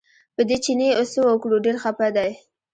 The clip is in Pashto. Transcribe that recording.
په دې چیني اوس څه وکړو ډېر خپه دی.